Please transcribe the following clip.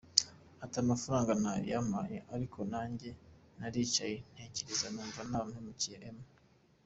Ati “Amafaranga ntayo yampaye ariko nanjye naricaye ndatekereza numva naba mpemukiye M.